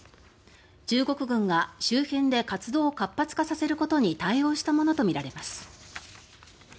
中国軍が周辺で活動を活発化させることに対応したものとみられます。